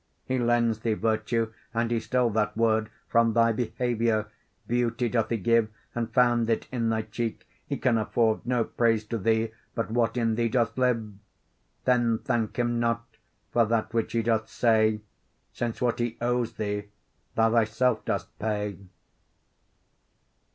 He lends thee virtue, and he stole that word From thy behaviour; beauty doth he give, And found it in thy cheek: he can afford No praise to thee, but what in thee doth live. Then thank him not for that which he doth say, Since what he owes thee, thou thyself dost pay.